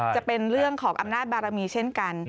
จะเป็นเรื่องของอำนาจบารมีเช่นกัน